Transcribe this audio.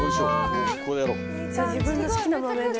じゃあ自分の好きな豆で。